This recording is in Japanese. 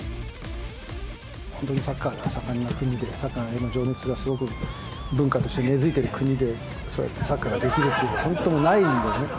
本当にサッカーが盛んな国で、サッカーへの情熱がすごく文化として根づいてる国で、そうやってサッカーができるってことは、本当にないのでね。